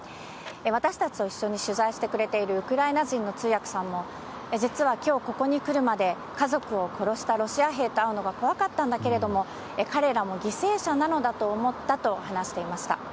私たちと一緒に取材してくれているウクライナ人の通訳さんも、実はきょう、ここに来るまで家族を殺したロシア兵と会うのが怖かったんだけれども、彼らも犠牲者なのだと思ったと話していました。